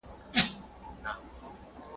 د انسان د ژوند د چارو یو حکمت دی `